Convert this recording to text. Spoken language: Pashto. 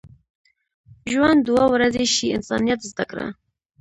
ژوند دوه ورځې شي، انسانیت زده کړه.